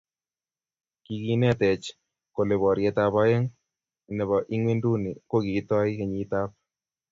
Kikinetech kole poryetab aeng nebo ingwenduni kokitoi kenyiitab